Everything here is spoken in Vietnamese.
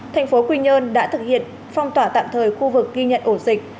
tp quy nhơn đã thực hiện phong tỏa tạm thời khu vực ghi nhận ổ dịch